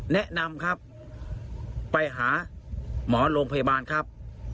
แนะนำครับไปหาหมอโรงพยาบาลครับ